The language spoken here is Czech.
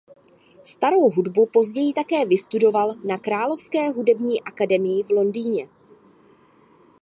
Starou hudbu později také vystudoval na Královské hudební akademii v Londýně.